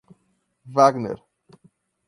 Wagner